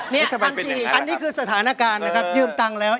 นี่อันนี้คือสถานการณ์นะครับยืมตังค์แล้ว